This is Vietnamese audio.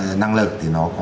khi nói năng lực thì nó có